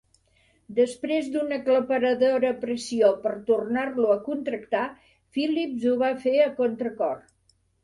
Després d'una aclaparadora pressió per tornar-lo a contractar, Phillips ho va fer a contracor.